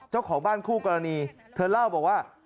เจ้าของบ้านคู่กรณีเธอเล่าบอกว่า